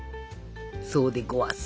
そうでごわす。